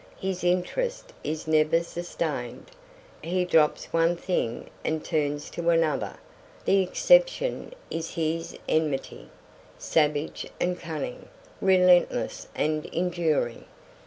His interest is never sustained. He drops one thing and turns to another. The exception is his enmity, savage and cunning, relentless and enduring.